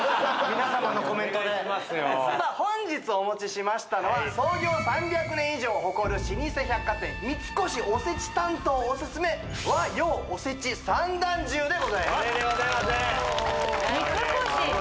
皆様のコメントで本日お持ちしましたのは創業３００年以上を誇る老舗百貨店三越おせち担当おすすめ和洋おせち三段重でございますでございますね三越！